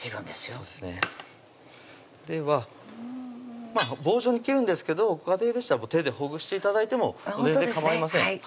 そうですねでは棒状に切るんですけどご家庭でしたら手でほぐして頂いても全然かまいません